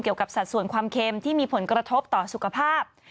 เกี่ยวกับสัตว์ส่วนความเค็มที่มีผลกระทบต่อสุขภาพ